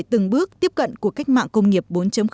có thể từng bước tiếp cận của cách mạng công nghiệp bốn